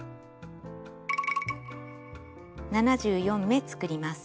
７４目作ります。